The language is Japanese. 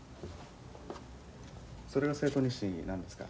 それが生徒日誌なんですか？